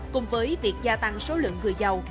cùng với việc gia tăng số lượng người giàu